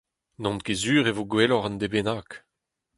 N'on ket sur e vo gwelloc'h un deiz bennak.